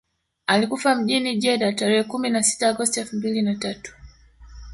Alikufa mjini Jeddah tarehe kumi na sita Agosti elfu mbili na tatu